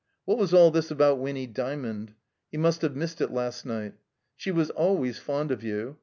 What was all this about Winny Djmaond? He must have missed it last night. "She was always fond of you.